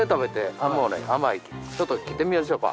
ちょっと切ってみましょうか。